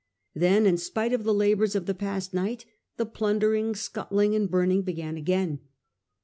Then, in spite of the labours of the past night, the plundering, scuttling, and burning began again.